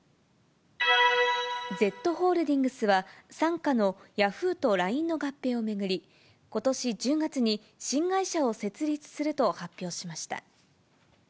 Ｚホールディングスは、傘下のヤフーとＬＩＮＥの合併を巡り、ことし１０月に新会社を設立すると発表しました。